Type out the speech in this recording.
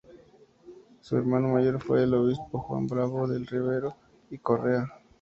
Su hermano mayor fue el obispo Juan Bravo del Ribero y Correa.